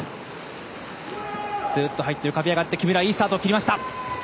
すっと入って浮かび上がっていいスタートを切りました。